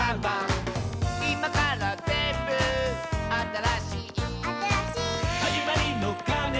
「いまからぜんぶあたらしい」「あたらしい」「はじまりのかねが」